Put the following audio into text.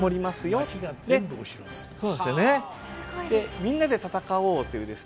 みんなで戦おうというですね